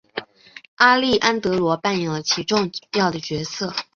阿丽安萝德中扮演了其最重要的角色。